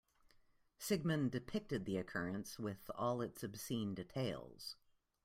Sigmund depicted the occurrence with all its obscene details.